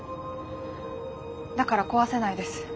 だから壊せないです